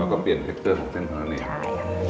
แล้วก็เปลี่ยนคลิกเตอร์ของเส้นขนาดนี้ใช่